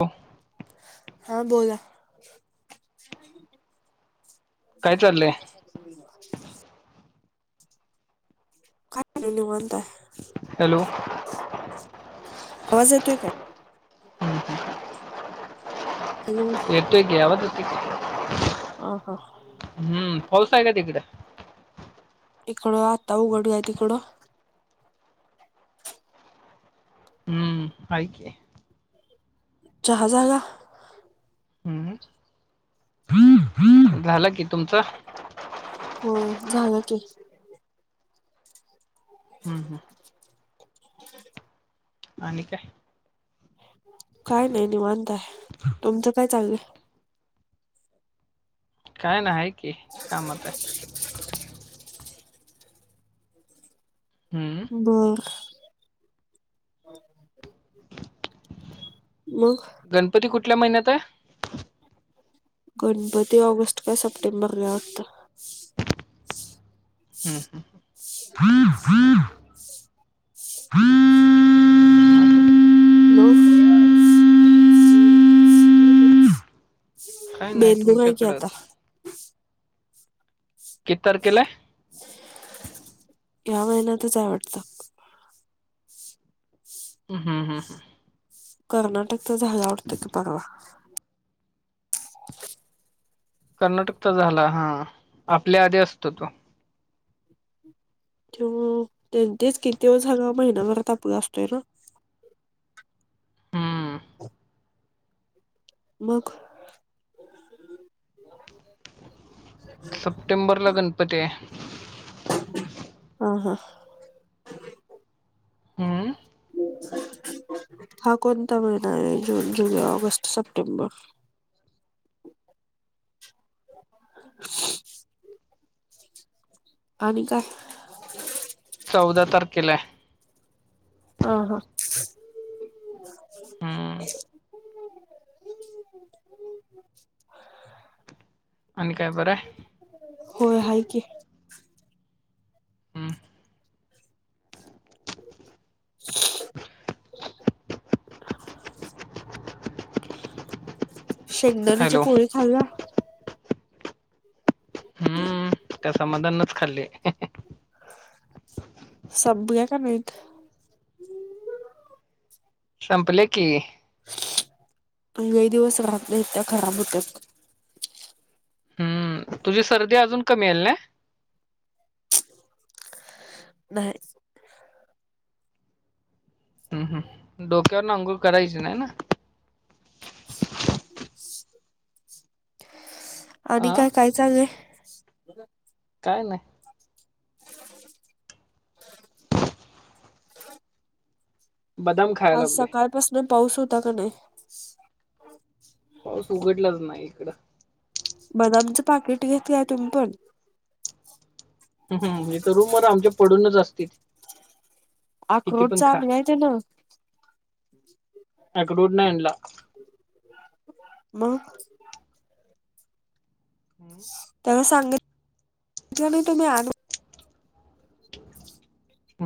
हो हा बोला ह् काली निवंत हॅलो आवाज येतोय काय हॅलो तो एक गवा तती क ह हा हम्म फस आहे का तिकडे इकडं आत्ता उघडूय तिकडं पाकय जहाजगा ह झालं की तुमचं हो झालं के हं हं [inaudible] आणि काय काय नाही नि मानताय तुमचं काय चांगलं काय नाही आहे की कामात आहे ह बर मग गणपती कुठल्या महिन्यात आहे गणपती ऑगस्ट का सप्टेंबर ला वाता हॅ बेंदू मय क्याता किती तारखेला ह्या महिन्यातच आवडतं हम् हम ह् कर्नाटक तर झाला आवडत की परवा कर्नाटकचा झाला हा आपल्या आधी असतो तो ते त्यांचेच किती वे हगा महिनाभर तापला असतोय ना मग सप्टेंबरला गणपती आहे हा हा हा कोणता महिना आहे जून जुलै ऑगस्ट सप्टेंबर आणि काय चौदा तारखेला ह हा आणि काय बरं आहे होय आहेा की [inaudible] शेगदाारीची पोळी खाल्या हम्म त्या समाधानच खाल्ली सपवूया काय नाहीत संपले की लई दिवस राहत नाहीत त्या खराब होत्याात तुझी सर्दी अजून कमी यायला नाही नाही हम् हम डोक्यावरून अंघोळ करायच नाही ना आणि काय काय चांगलंय काय नाही [inaudible] आज सकाळ पासुन पाऊस होता काय नाही पाऊस उघडलाच नाही इकडं बदामचं पाकिट घेतली तुम्ही पण ह हम इथ रूम वर आमच्या पडूनच असतय की आक्रोड चांगली आहेत ना अक्रोड नाही आणला मग त्याला सांगित काय नाही तुम्ही आनु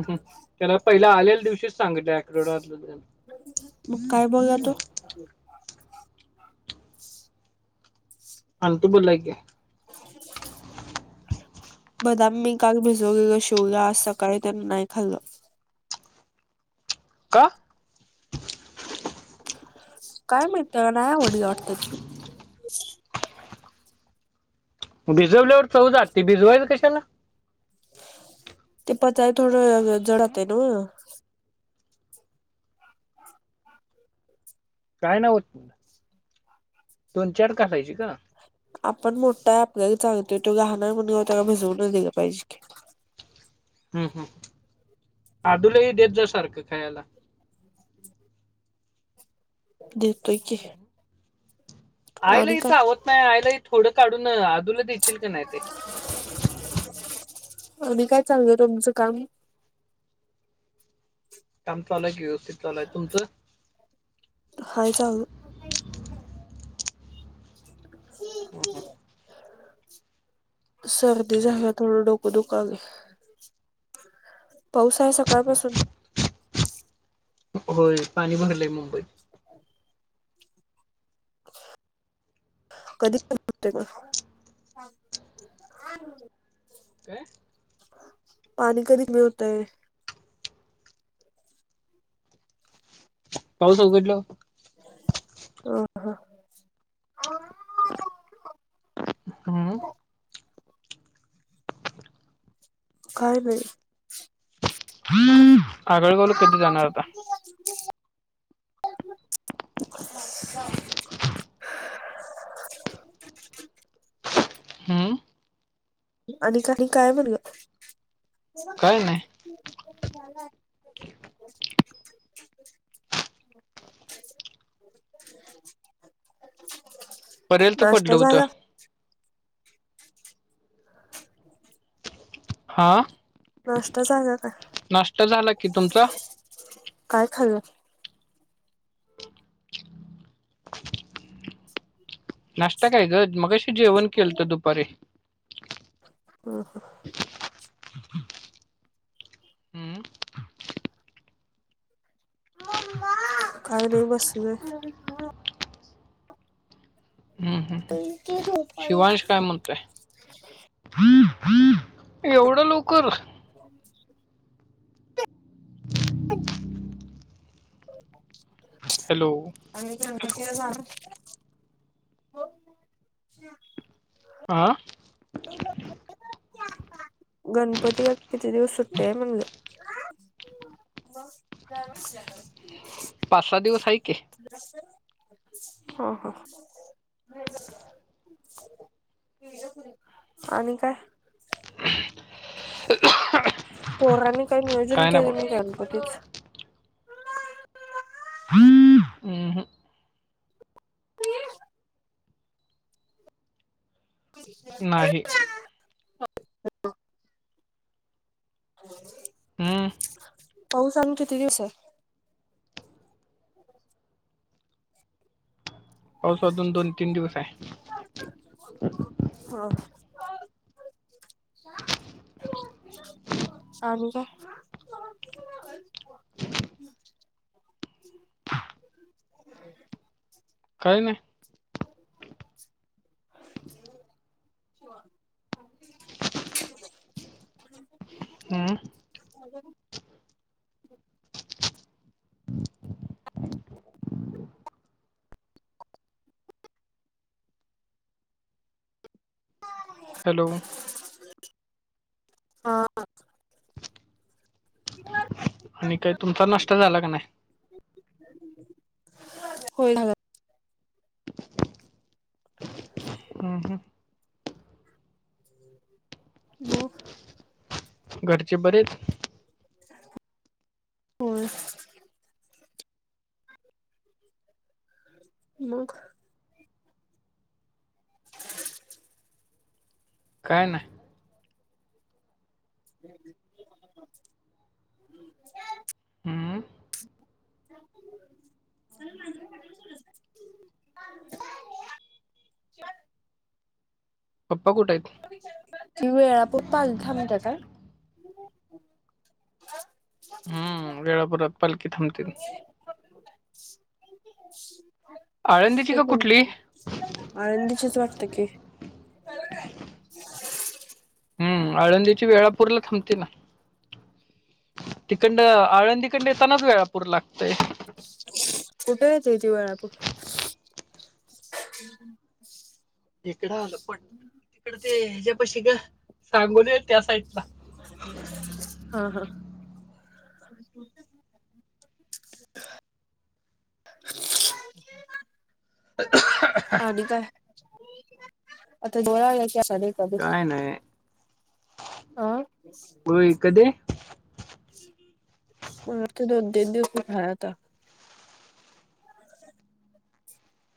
त्याला पहिला आलेल्या दिवशीच सांगलं आक्रोड वा मग काय बोला तो आणतो बोलाय की [inaudible] बदाम मी काल भिजवलेेलं शिवलं आज सकाळी त्यांना नाही खाल्लं का काय माहित नाही आवडलं वाटत भिजवल्यावर चव जाते भिजवायच कशाला ते पचाय थोडं जडत असत ना काय नाही होत दोन चार कासायची ना आपण मोठ आहे आपल्याला चालतंय तो लहान आहे म्हणून त्याला भिजवूनच दिलं पाहिजे की हम्म हम् आदूलाही देत जा सारखं खायला देतोय की आणि आईलाही काय चावत नाही आईलाही थोडं काढून आदूला देशील का नाही ते आणि काय चालय तुमचं काम काम चालू आहे की व्यवस्थित चालू आहे तुमचं आहे चालू [inaudible] सर्दी झालिया थोडं डोकं दुखालय पाऊस आहे सकाळपासून होय पाणी भरलंय मुंबईत [inaudible] कधी होतंय मग काय पाणी कधी कमी होतय पाऊस उघडल्यावर ह ह हम काय नाही ह आगळगावला कधी जाणार आता [inaudible] [inaudible] हम्म आणि काही काय म्हण ग काय नाही [unintelligible] [inaudible] नाष्ट्ता जागा हा नाश्ता झाला काय नाष्ट्त झाला कि तुमचा काय खालं नाश्ता काय ग मगशी जेवण केलत दुपारी हम् हम काही नाही बसज ते क शिवांश काय म्हणतेय एवढं लवकर अच्छा ह [inaudible] हॅलो आणिम्ही ज जा हो अा आा ते गणपती का किती दिवस सुट्टतेय म्हणलं ब जा कर पाचसादऊ स आहेक आहे ह हा तज आणि काय पौराणिक काही नियोजन केले नाही गणपतीच हंग अ होऊ सांग किती दिवस आहे पावसाजून दोन तीन दिवस आहे ह आणि का काही नाही हं अ हॅलो हा या आणि काही तुमचा नष्ट झाला का नाही होय झा [inaudible] हम् हम मग घरचे बरेच होर मग काय नाही ह हम्म माझ्या [unintelligible] पप्पा कुठं येत तेळा पू पाल थांबते का ह वेळापदात ते खण आनंदीचेच वाटत की हम्म आळंदीची वेळापूर्ला थांबतील ना तिकंड आळंदीकंड येतानाच वेळापूर लागतय कुठे यतीतीवाळपू हम् इकडं आलं पण तिकड ते ह्याच्या पशी ग सांगून त्या साईडला हा हा ह [inaudible] ह आणि काय [inaudible] अ दोळा क काय नाही अं म त दुधध पठाया त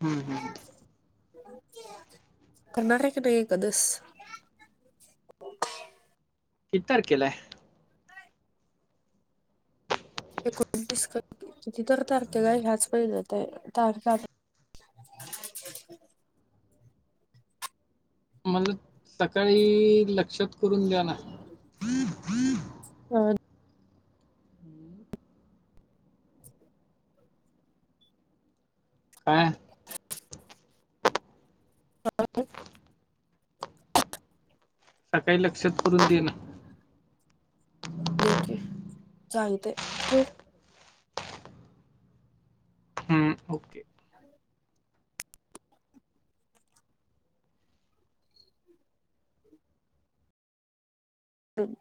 हम् हम् करणार क नाहीे कधच ह तार केेलाय एकोणतीस किती तर तारकेग ह्याच पहि जात आहे तार ह अ म्हणज सकाळी लक्षात करून द्या ना ह काय हम सकाळी लक्षात करून दे ना देते सांगते